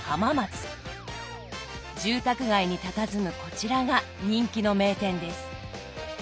住宅街にたたずむこちらが人気の名店です。